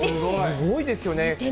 すごいですよね。